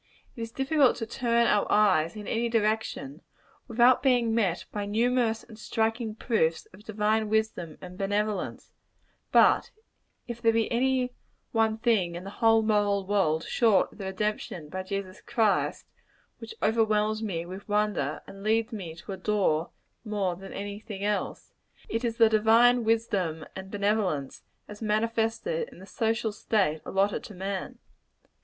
It is difficult to turn our eyes in any direction, without being met by numerous and striking proofs of divine wisdom and benevolence; but if there be any one thing in the whole moral world, short of the redemption by Jesus Christ, which overwhelms me with wonder, and leads me to adore more than any thing else, it is the divine wisdom and benevolence, as manifested in the social state allotted to man.